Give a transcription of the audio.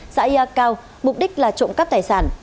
xã ya cao mục đích là trộm cắp tài sản